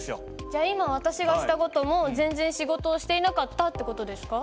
じゃ今私がした事も全然仕事をしていなかったって事ですか？